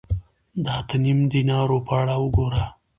د اته نیم دینارو په اړه وګوره